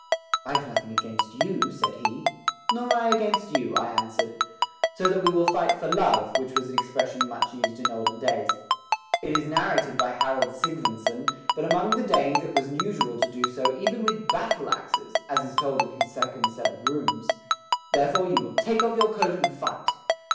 "I've nothing against you," said he. "Nor I against you," I answered. "So that we will fight for love, which was an expression much used in olden days. It is narrated by Harold Sygvynson that among the Danes it was usual to do so even with battle axes, as is told in his second set of runes. Therefore you will take off your coat and fight."